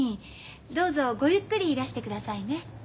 どうぞごゆっくりいらしてくださいね。